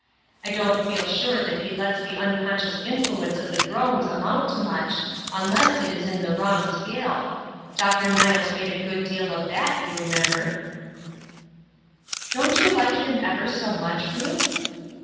I don't feel sure that he lets the unconscious influence of the drones amount to much, unless it is in the wrong scale. Dr. Niles made a good deal of that, you remember." "Don't you like him ever so much, Ruth?"